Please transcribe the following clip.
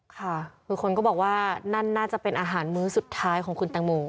ค่ะคือคนก็บอกว่านั่นน่าจะเป็นอาหารมื้อสุดท้ายของคุณแตงโม